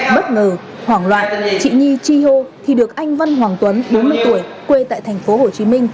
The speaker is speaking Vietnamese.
bất ngờ hoảng loạn chị nhi chi hô thì được anh văn hoàng tuấn bốn mươi tuổi quê tại thành phố hồ chí minh